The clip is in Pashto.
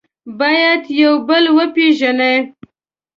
باید یو بل وپېژنئ.